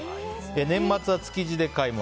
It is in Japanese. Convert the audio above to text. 年末は築地で買い物。